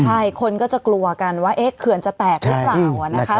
ใช่คนก็จะกลัวกันว่าเครื่องจะแตกหรือเปล่า